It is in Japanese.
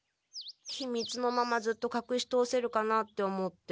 ひみつのままずっとかくし通せるかなって思って。